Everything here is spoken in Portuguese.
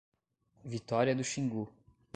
Vitória do Xingu